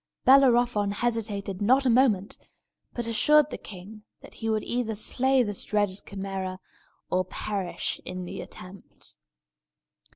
Bellerophon hesitated not a moment, but assured the king that he would either slay this dreaded Chimæra, or perish in the attempt.